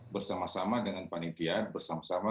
bersama sama dengan panitia bersama sama